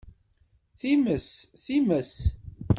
Times, times!